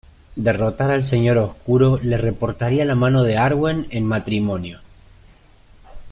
Derrotar al señor oscuro le reportaría la mano de Arwen en matrimonio.